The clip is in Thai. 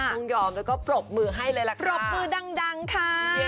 ต้องยอมแล้วก็ปรบมือให้เลยล่ะค่ะปรบมือดังค่ะ